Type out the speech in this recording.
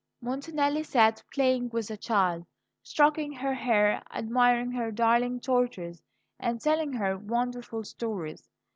Montanelli sat playing with the child, stroking her hair, admiring her darling tortoise, and telling her wonderful stories.